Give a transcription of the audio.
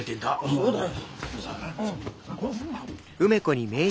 そうだよ。